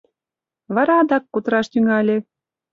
Вара адак кутыраш тӱҥале.